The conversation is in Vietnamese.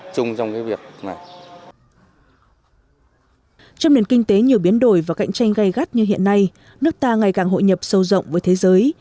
trong nền kinh tế nhiều biến đổi và cạnh tranh gây gắt như hiện nay nước ta ngày càng hội nhập sâu rộng với thế giới